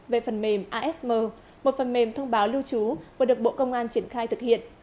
về phần mềm asm một phần mềm thông báo lưu trú vừa được bộ công an triển khai thực hiện